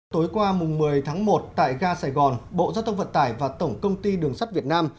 tối qua một mươi tháng một tại ga sài gòn bộ giao thông vận tải và tổng công ty đường sắt việt nam